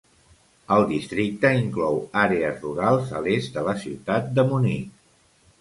El districte inclou àrees rurals a l'est de la ciutat de Munich.